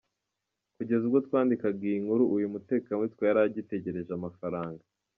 Kugeza ubwo twandikaga iyi nkuru uyu mutekamutwe yari agitegereje amafaranga.